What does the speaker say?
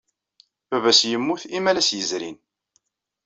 Baba-s yemmut imalas yezrin.